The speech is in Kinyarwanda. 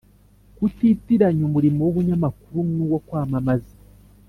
Kutitiranya umurimo w’ubunyamakuru n’uwo kwamamaza.